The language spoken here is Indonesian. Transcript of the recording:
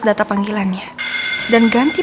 data panggilannya dan ganti